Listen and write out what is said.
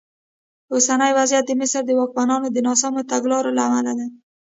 اوسنی وضعیت د مصر د واکمنانو د ناسمو تګلارو له امله دی.